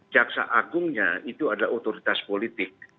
jaksa agungnya itu adalah otoritas politik